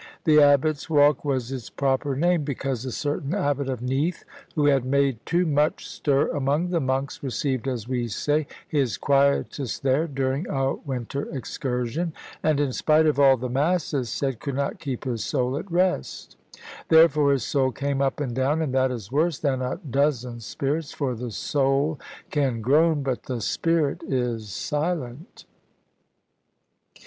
The Abbot's Walk was its proper name; because a certain Abbot of Neath, who had made too much stir among the monks, received (as we say) his quietus there during a winter excursion; and in spite of all the masses said, could not keep his soul at rest. Therefore his soul came up and down; and that is worse than a dozen spirits; for the soul can groan, but the spirit is silent.